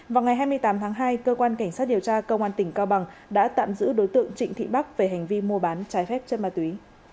vào ngày hai mươi tám tháng hai cơ quan cảnh sát điều tra công an tỉnh cao bằng đã tạm giữ đối tượng trịnh thị bắc về hành vi mua bán trái phép chất ma túy